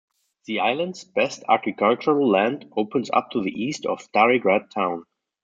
The island's best agricultural land opens up to the east of Stari Grad town.